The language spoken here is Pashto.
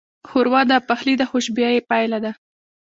ښوروا د پخلي د خوشبویۍ پایله ده.